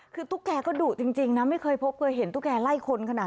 คือตุ๊กแกก็ดุจริงนะไม่เคยพบเคยเห็นตุ๊กแกไล่คนขนาด